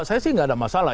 saya sih tidak ada masalah